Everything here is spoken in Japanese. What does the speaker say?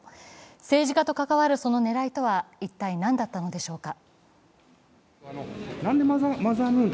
政治家と関わるその狙いとは一体何だったのでしょうか。